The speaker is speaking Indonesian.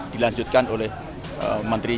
dilanjutkan oleh menteri